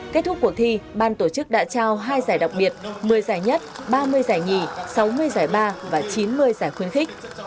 kết thúc cuộc thi ban tổ chức đã trao hai giải đặc biệt một mươi giải nhất ba mươi giải nhì sáu mươi giải ba và chín mươi giải khuyến khích